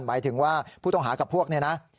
หมายถึงว่าผู้ต้องหากับพวกเนี่ยนะ